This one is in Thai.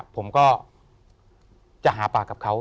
ผมก็จะหาปากกับเขา